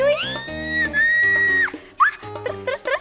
terus terus terus